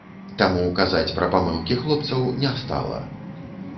Таму казаць пра памылкі хлопцаў не стала.